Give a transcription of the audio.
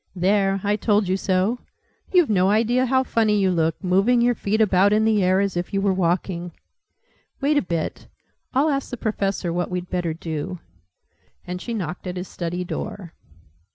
"There, I told you so! You've no idea how funny you look, moving your feet about in the air, as if you were walking! Wait a bit. I'll ask the Professor what we'd better do." And she knocked at his study door.